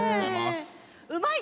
うまい！